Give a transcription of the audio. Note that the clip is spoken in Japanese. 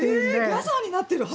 ギャザーになってる！